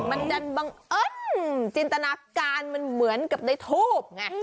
มันดันบังเอิญจินตนาการมันเหมือนกับในทูบไง